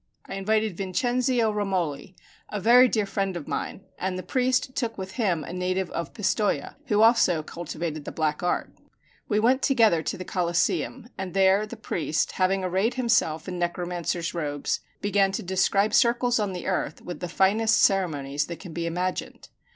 I invited Vincenzio Romoli, a very dear friend of mine, and the priest took with him a native of Pistoja, who also cultivated the black art. We went together to the Coliseum; and there the priest, having arrayed himself in necromancer's robes, began to describe circles on the earth with the finest ceremonies that can be imagined.